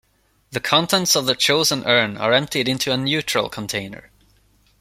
The contents of the chosen urn are emptied into a neutral container.